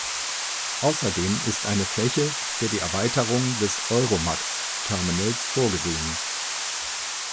Außerdem ist eine Fläche für die Erweiterung des "Euromax"-Terminals vorgesehen.